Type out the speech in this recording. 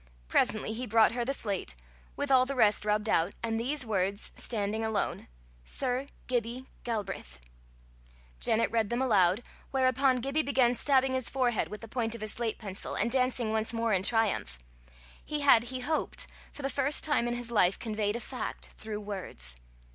Presently he brought her the slate, with all the rest rubbed out, and these words standing alone sir giby galbreath. Janet read them aloud, whereupon Gibbie began stabbing his forehead with the point of his slate pencil, and dancing once more in triumph: he had, he hoped, for the first time in his life, conveyed a fact through words.